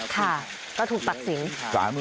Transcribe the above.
ค่ะก็ถูกตัดสิน